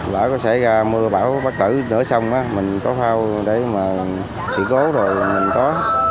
lỡ có xảy ra mưa bão bắt tử nửa sông mình có phao để mà sử cố rồi là mình có